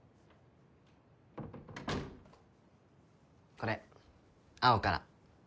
これ青から。